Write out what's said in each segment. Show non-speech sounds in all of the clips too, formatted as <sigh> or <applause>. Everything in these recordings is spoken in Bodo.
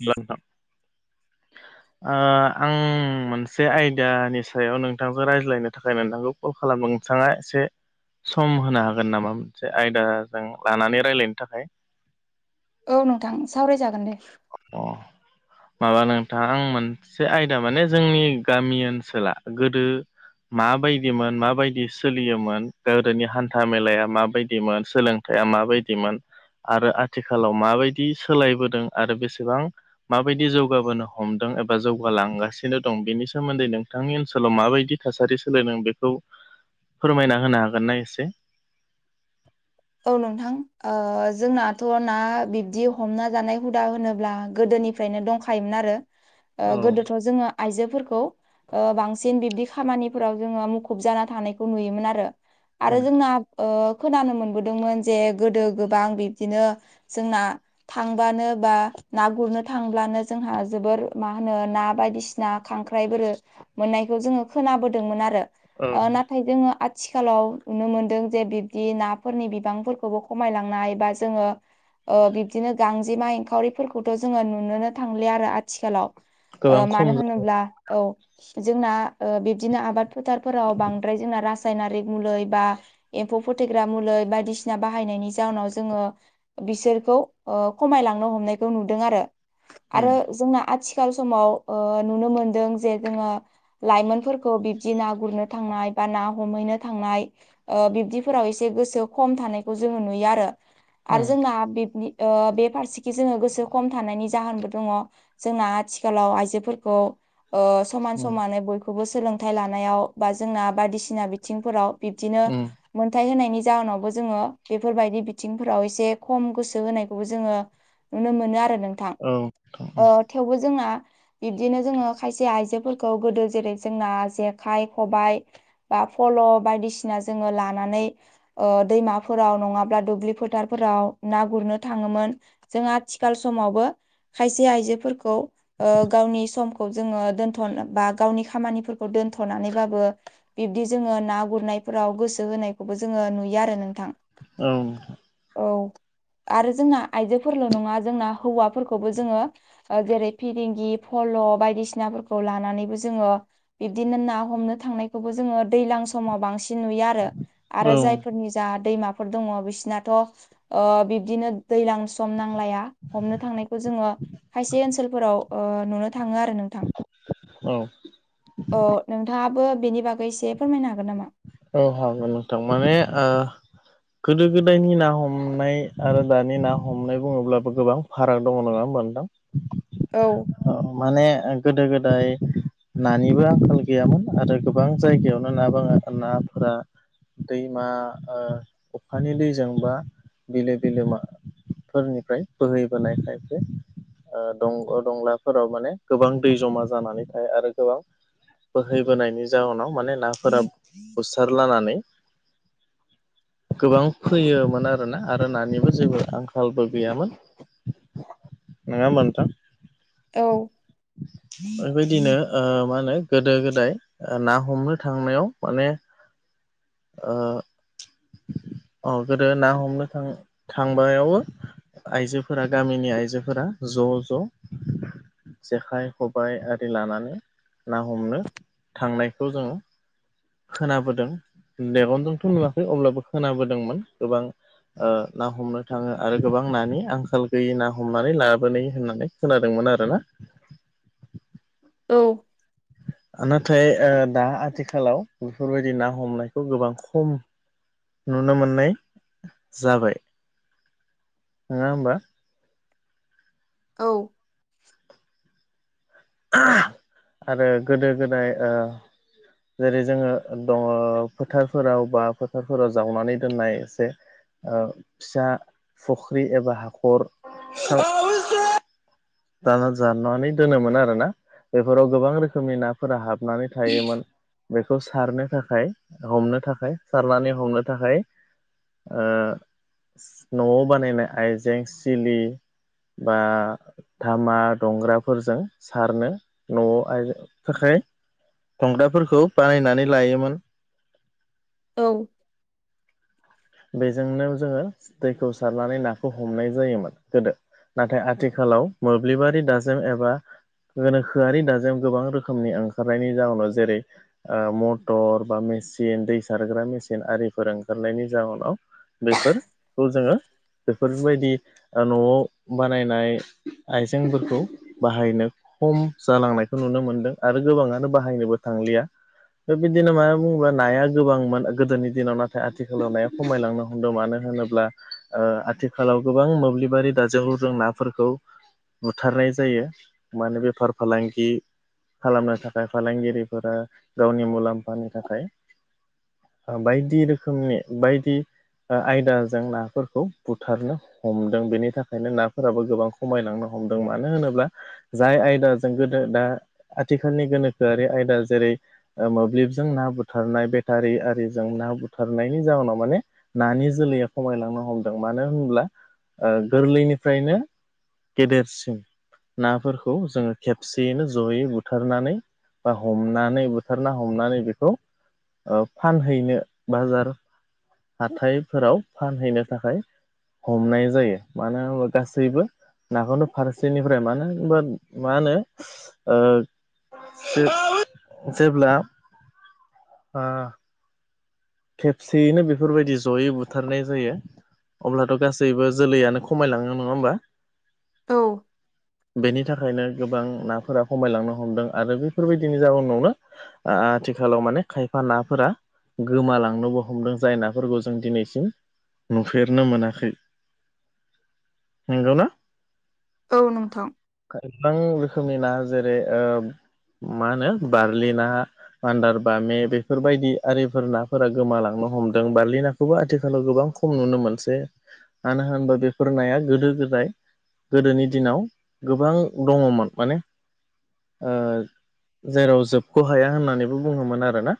<unintelligible> ओ आं मोनसे आयदानि सायाव नोंथांजो रायज्लायनो थाखाय नोंथांखौ कल खालामदों नोंथाङा एसे सम होनो हागोन नामा मोनसे आयदाजों लानानै रायलायनो थाखाय? औ नोंथां सावरायजागोन दे। उम माबा नोंथां आं मोनसे आयदा माने जोंनि गामि ओनसोला गोदो माबायदिमोन माबायदि सोलियोमोन गोदोनि हान्था मेलाया माबायदिमोन सोलों या माबायदिमोन आरो आथिखालाव माबायदि सोलायबोदों आरो बेसेबां माबायदि जौगाबोनो हमदों एबा जौगालांगासिनो दं बेनि सोमोन्दै नोंथांनि ओन्सोलाव माबायदि थासारि सोलायदों बेखौ फोरमायना होनो हागोनना एसे? औ नोंथां ओ जोंनाथ' ना बिब्दि हमना जानाय हुदा होनोब्ला गोदोनि फ्रायनो दंखायोमोन आरो। <inaudible> ओ गोदोथ' जोङो आइजोफोरखौ ओ बांसिन बिब्दि खामानिफोराव जोङो मुखुब जाना थानायखौ नुयोमोन आरो। आरो जोंना ओ खोनानो मोनबोदोंमोन जे गोदो गोबां बिब्दिनो जोंना थांबानो बा ना गुरनो थांब्लानो जोंहा जोबोर मा होनो ना बायदिसि ना खांख्राइ बोरो मोननायखौ जोङो खोनाबोदोंमोन आरो। ओ नाथाय जोङो आथिखालाव नुनो मोनदों जे बिब्दि ना फोरनि बिबांफोरखौबो खमायलांनाय बा जोङो ओ बिब्दिनो गांजेमा एंखावरिफोरखौथ' जोङो नुनोनो थांलिया आरो आथिखालाव। ओ गोबां खम मानो होनोब्ला औ जोंना ओ बिब्दिनो आबाद फोथारफोराव बांद्राय जोंना रासायनारि मुलै बा एम्फौ फोथैग्रा मुलै बायदिसिना बाहायनायनि जाउनाव जोङो बिसोरखौ ओ खमायलांनो हमनायखौ नुदों आरो। आरो जोंना आथिखाल समाव ओ नुनो मोनदों जे जोङो लाइमोनफोरखौ बिब्दि ना गुरनो थांनाय बा ना हमहैनो थांनाय ओ बिब्दिफोराव एस से गोसो खम थानायखौ जोङो नुयो आरो औ आरो जोंना बिबनि ओ बे फारसेखि जोङो गोसो खम थानायनि जाहोनबो दङ'। जोंना आथिखालाव आइजोफोरखौ ओ समान औ समानै बयखौबो सोलोंथाइ लानायाव बा जोंना बायदिसिना बिथिंफोराव बिब्दिनो मोनथाय होनायनि जाहोनावबो जोङो बेफोरबायदि बिथिंफोराव एसे खम गोसो होनायखौबो जोङो नुनो मोनो आरो नोंथां। औ ओ थेवबो जोंना बिब्दिनो जोङो खायसे आइजोफोरखौ गोदो जेरै जोंना जेखाइ खबाइ बा फल' बायदिसिना जोङो लानानै ओ दैमाफोराव नङाब्ला दुब्लि फोथारफोराव ना गुरनो थाङोमोन। जों आथिखाल समावबो खायसे आइजोफोरखौ ओ गावनि समखौ जोङो दोनथ' बा गावनि खामानिफोरखौ दोन्थ'नानैबाबो बिब्दि जोङो ना गुरनायफोराव गोसो होनायखौबो जोङो नुयो आरो नोंथां। औ औ आरो जोंना आइजोफोरल' नङा जोंना हौवाफोरखौबो जोङो ओ जेरै फदिंगि फल' बायदिसिनाफोरखौ लानानैबो जोङो बिब्दिनो ना हमनो थांनायखौबो जोङो दैज्लां समाव बांसिन नुयो आरो। औ आरो जायफोरनि जा दैमाफोर दङ बिसिनाथ' ओ- बिबदिनो दैलां स सम नांलाया हमनो थांनायखौ जोङो खायसे ओनसोलफोराव ओ नुनो थाङो आरो नों थां औ औ नोंथाङाबो बेनि बागै एसे फोरमायनो हागोन नामा? औ हागोन नोंथां माने ओ गोदो गोदायनि ना हमनाय आरो दानि ना हमनाय बुङोब्लाबो गोबां फाराग दङ नङा होमबा औ नोंथां माने गोदो गोदाय नानिबो आंखाल गैयामोन आरो गोबां जायगायावनो ना बाङा नाफोरा दैमा औ अखानि दैजों बा बिलो बिलोमा फोरनिफ्राय बोहैबोनाय खायसे- ओ- दं दंलाफोराव माने गोबां दै जमा जानानै थायो आरो गोबां बोहैबोनायनि जाउनाव माने नाफोरा बुसारलानानै गोबां फैयोमोन आरोना आरो नानिबो जेबो आंखालबो गैयामोन नङा होनबा नोंथां औ बेबायदिनो ओ- मा होनो गोदो गोदाय ना हमनो थांनायाव माने ओ औ गोदो ना हमनो थां थांबावबो आइजोफोरा गामिनि आइजोफोरा ज' ज' जेखाइ खबाय आरि लानानै ना हमनो थांनायखौ जोङो खोनाबोदों मेगनजोंथ' नुवा अब्लाबो खोनाबोदोंमोन गोबां ओ- ना हमनो थाङो आरो गोबां नानि आंखाल गैयि ना हमनानै लाबोनो होननानै खोनादोंमोन आरो ना औ नाथाय ओ- दा आथिखालाव बेफोरबायदि ना हमनायखौ गोबां खम नुनो मोननाय जाबाय नङा होमबा औ आरो गोदो गोदाय ओ- जेरै जोङो दङ फोथारफोराव बा फोथारफोराव जावनानै दोननाय एसे ओ- फिसा फुख्रि एबा हाखर फि <inaudible> दाना जाननानै दोनोमोन आरो ना बेफोराव गोबां रोखोमनि नाफोरा हाबनानै थायोमोन बेखौ सारनो थाखाय हमनो थाखाय सारनानै हमनो थाखाय ओ- न'आव बानायनाय आइजें सिलि बा धामा दंग्राफोरजों सारनो न'आव आ धंग्राफोरखौ बानायनानै लायोमोन औ बेजोंनो जोङो दैखौ सारनानै नाखौ हमनाय जायोमोन गोदो नाथाय आथिखालाव मोब्लिबारि दाजेम एबा गोनोखोआरि दाजेम गोबां रोखोमनि ओंखारनायनि जाउनाव जेरै आ मटर बा मेसिन दै सारग्रा मेसिन आरिफोर ओंखारनायनि जउनाव बेफोरखौ जोङो बेफोरबायदि ओ न'आव बानायनाय आइजेंफोरखौ बाहायनो खम जालांनायखौ नुनो मोनदों आरो गोबाङानो बाहायनोबो थांलिया बे बिदिनो मा बुङोबा नाया गोबां मोन गोदोनि दिनाव नाथाय आथिखाल होलनाया खमायलांनो हमदों मानो होनोब्ला ओ आथिखालाव गोबां मोब्लिबारि दाजें जों ना फोरखौ बुथारनाय जायो माने बेफार फालांगि खालामनो थाखाय फालांगिरिफोरा गावनि मुलाम्फानि थाखाय बायदि रोखोमनि बायदि ओ आयदाजों नाफोरखौ बुथारनो हमदों बेनि थाखायनो नाफोराबो गोबां खमायलांनो हमदों मानो होनोब्ला। जाय आयदाजों गोदो दा आथिखालनि गोनोखोआरि आयदा जेरै। ओ मोब्लिबजों ना बुथारनाय बेटारि आरिजों ना बुथारनाय नि जाहोनाव माने नानि जोलैया खमायलांनो हमदों मानो होनब्ला ओ गोरलैनिफ्रायनो गेदेरसिम नाफोरखौ जोङो खेबसेयैनो जयै बुथारनानै बा हमनानै बुथार ना हमनानै बेखौ ओ फानहैनो बाजार हाथायफोराव फानहैनो थाखाय हमनाय जायो मानो होनबा गासैबो नाखौनो फारसेनिफ्राय मानो होनबा मा होनो ओ जे आउ जेब्ला आ खेबसेयैनो बेफोरबायदि जयै बुथारनाय जायो। अब्लाथ' गासैबो जोलैयानो खमायलाङो नङा होमबा। औ बेनि थाखायनो। गोबां नाफोरा खमायलांनो हमदों आरो बेफोरबायदिनि जाउनावनो आ आथिखालाव माने खायफा नाफोरा गोमालांनोबो हमदों जाय नाफोरखौ जों दिनैसिम नुफेरनो मोनाखै नंगौ ना औ नोंथां गोबां रोखोमनि ना जेरै ओ मा होनो बारलिना मान्दार बामे बेफोरबायदि आरि फोर नाफोरा गोमालांनो हमदों बारलि नाखौबो आथिखालाव गोबां खम नुनो मोनसै मानो होनोबा बेफोर नाया गोदो गोदाय गोदोनि दिनाव गोबां दङमोन माने ओ जेराव जोबख' हाया होननानैबो बुङोमोन आरोना।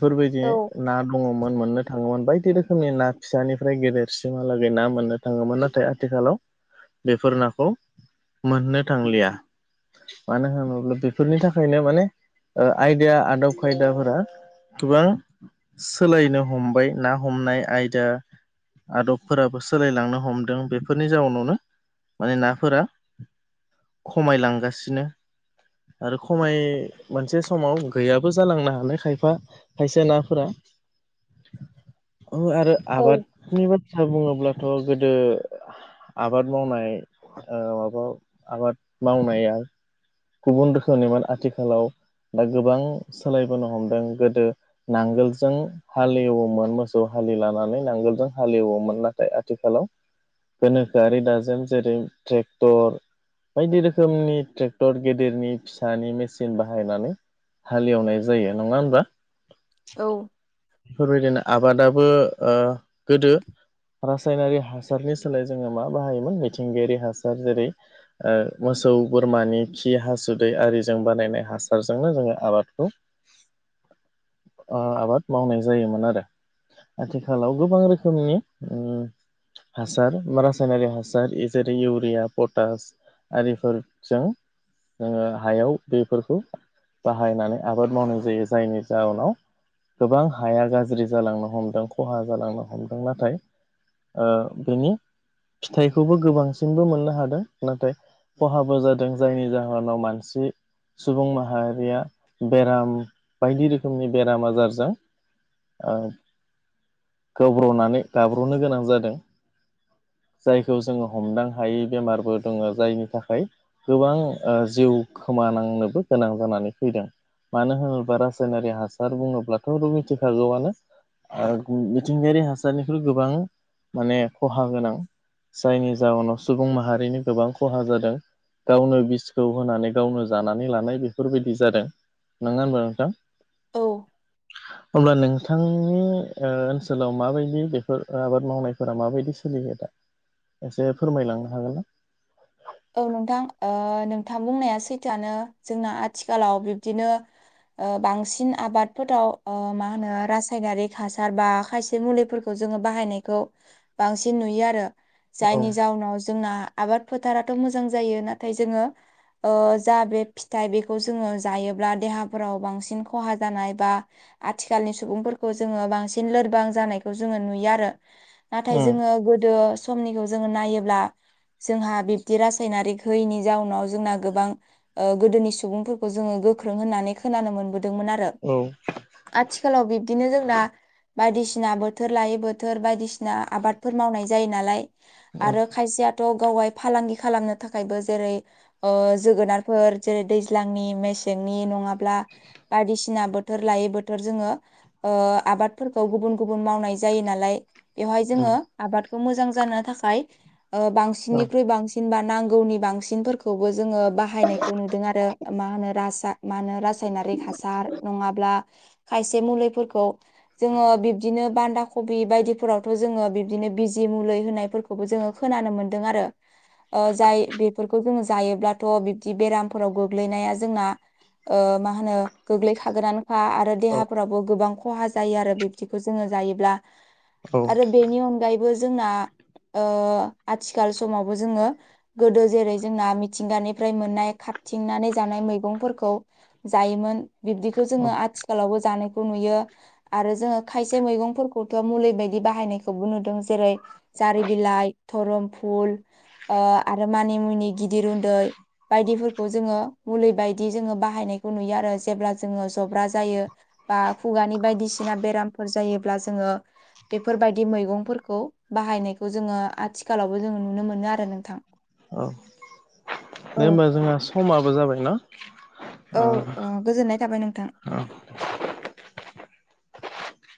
बेफोरबायदि औ ना दङमोन मोननो थाङोमोन बायदि रोखोमनि ना फिसानिफ्राय गेदेरसिमहालागै ना मोननो थाङोमोन नाथाय आथिखालाव बेफोर नाखौ मोननो थांलिया। मानो होनोब्ला बेफोरनि थाखायनो माने ओ आयदा आदब खायदाफोरा। गोबां सोलायनो हमबाय ना हमनाय आयदा। आदबफोराबो सोलायलांनो हमदों बेफोरनि जाउनावनो माने नाफोरा। खमायलांगासिनो आरो खमाय मोनसे समाव गैयाबो जालांनो हानाय खायफा खायसे नाफोरा अ आरो आबाद। औ नि बाथ्रा बुङोब्लाथ' गोदो आबाद मावनाय ओ माबा आबाद मावनाया गुबुन रोखोमनिमोन आथिखालाव दा गोबां सोलायबोनो हमदों गोदो। नांगोलजों हालेवोमोन मोसौ हालिलानानै नांगोलजों हालेवोमोन नाथाय आथिखालाव। गोनोखोआरि दाजम जेरै ट्रेक्टर बायदि रोखोमनि क्टर गेदेरनि फिसानि मेसिन बाहायनानै हालेवनाय जायो नङा होनोमबा औ बेफोरबायदिनो आबादाबो गोदो रासायनारि हासारनि सोलाय जोङो मा बाहायोमोन मिथिंगायारि हासार जेरै मोसौ बोरमानि खि हासुदै आरिजों बानायनाय हासारजोंनो जोङो आबादखौ आबाद मावनाय जायोमोन आरो आथिखालाव गोबां रोखोमनि हासार रासायनारि हासार जेरै इउरिया पटास आरिफोरजों जोङो हायाव बेफोरखौ बाहायनानै आबाद मावनाय जायो जायनि जाहोनाव गोबां हाया गाज्रि जालांनो हमदों खहा जालांनो हमदों नाथाय बेनि फिथाइखौबो गोबांसिनबो मोननो हादों नाथाय खहाबो जादों जायनि जाहोनाव मानसि सुबुं माहारिया बेराम बायदि रोखोमनि बेराम आजार ओ गब्र'नानै गाब्र'नो गोनां जादों जायखौ जोङो हमदां हायै बेमारबो दङ जायनि थाखाय गोबां जिउ खोमानांनोबो गोनां जानानै फैदों मानो होनोब्ला रासायनारि हासार बुङोब्लाथ' र मिथिखागौआनो मिथिंगायारि हासारनिख्रुइ गोबां माने खहा गोनां जायनि जाहोनाव सुबुं माहारिनि गोबां खहा जादों गावनो बिसखौ होनानै गावनो जानानै लानाय बेफोरबायदि जादों नङा होनबा नोंथां औ अब्ला नोंथांनि ओनसोलाव माबायदि बेफोर आबाद मावनाय फोर माबायदि सोलियो दा एसे फोरमायलांनो हागोन आां औ नोंथां नोंथां बुंनाया सैथोआानो जोंना आथिखालाव बिब्दिनो बांसिन आबादफोराव मा होनो रासायनारिक हासार बा खायसे मुलिफोरखौ खौ जोङो बाहायनायखौ बांसिन नुयो आरो औ जायनि जााहउनाव जोंना आबाद फोथाराथ' मोजां जायो नाथाय जोङो जा बे फिथाइ बेखौ जोङो जायोब्ला देहाफोराव बांसिन खहा जानाय बा आथिखालनि सुबुंफोरखौ जोङो बांसिन लोरबां जानायखौ जोङो नुयो आरो नाथाय उम जोङो गोदो समनिखौ जोङो नायोब्ला जोंहा बे बिदि रासायनारिक होयैनि जाउनाव जोंना गोबां गोदोनि सुबुंफोरखौ जोङो गोख्रों होननानै खोनानो मोनबोदोंमोन आरो औ आथिखालाव बिब्दिनो जोंना बायदिसिना बोथोर लायै बोथोर बायदिसिना आबादफोर मावनाय जायो नालाय औ आरो खायसेयाथ' गावाय फालांगि खालामनो थाखायबो जेरै जोगोनारफोर जेरै दैज्लांनि मेसेंनि नङ बायदिसिना बोोर बोथोर लायै बोथोर जोङो आबादफोरखौ गुबुन गुबुन मावनाय जायो नालाय बेवहाय जोङो आबादखौ मोजां जानो थाखाय बांसिननिख्रुइ बांसिन सिनबा नांगौनि बांसिनफोरखौबो जोङो बाहायनायखौ नुदों आरो मा होनो राजसाा मा होनो रासायनारिक हासार नङाब्ला खायसे मुलिफोरखौ जोङो बिबदिनो बान्दा कबि बायदिफोरावथ' जोङो बिबदिनो बिजि मुलि होनायफोरखौ खौबो जोङो खोनानो मोन्दों आरो जाय बेफोरखौ जोङो जायोब्लाथ' बिब्दि बेरामफोराव गोग्लैनाया जोंना मा होनो गोग्लैखागोनानो आरो देहाफोरावबो गोबां खहा जायो आरो बिब्दिखौ जोङो जायोब्ला औ आरो बेनि अनगायैबो जोंना आथिखाल समावबो जोङो गोदो जेरै जोंना मिथिंगानिफ्राय मोननाय खाबथिंनानै जानाय मैगंफोरखौ जायोमोन बिब्दिखौ औ जोङो आथिखालावबो जानायखौ नुयो आरो जोङो खायसे मैगंफोरखौथ' मुलि बायदि बाहायनायखौबो नुदों जेरै जारि बिलाइ धरम फुल आरो मानि मुनि गिदिर उन्दै बायदिफोरखौ जोङो मुलि बायदि जोङो बाहायनायखौ नुयो आरो जेब्ला जोङो जब्रा जायो बा खुगानि बायदिसिना बेरामफोर जायोब्ला जोङो बेफोरबायदि मैगंफोरखौ बाहायनायखौ जोङो आथिखालावबो जोङो नुनो मोनो आरो थां औ दे होमबा जोंहा समाबो जाबायनाा औ ओ गोजोननाय थाबाय नोंथां